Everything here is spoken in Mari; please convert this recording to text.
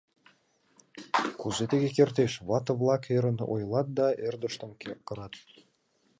Кузе тыге кертеш! — вате-влак ӧрын ойлат да эрдыштым кырат.